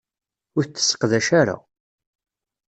Ur t-tesseqdac ara.